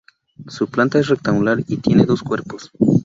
Su planta es rectangular y tiene dos cuerpos.